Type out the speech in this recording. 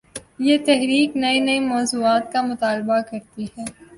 یہ 'تحریک‘ نئے نئے مو ضوعات کا مطالبہ کر تی ہے۔